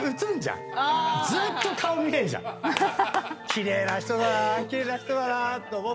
奇麗な人だな奇麗な人だなと思って。